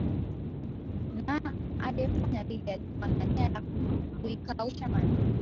Na aliefanya vile alikuwa na nia ya kuikausha maji